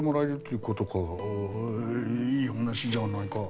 いい話じゃないか。